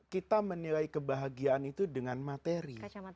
kita menilai kebahagiaan itu dengan materi